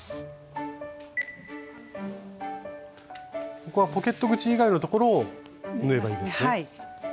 ここはポケット口以外のところを縫えばいいですね。